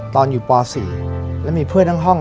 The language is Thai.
ตอนอยู่ป๔แล้วมีเพื่อนทั้งห้อง